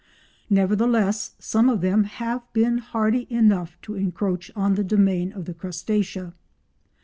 Nevertheless some of them have been hardy enough to encroach on the domain of the Crustacea.